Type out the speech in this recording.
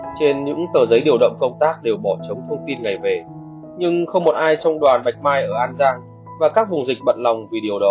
trên những tờ giấy điều động công tác đều bỏ chống thông tin này về nhưng không một ai trong đoàn bạch mai ở an giang và các vùng dịch bận lòng vì điều đó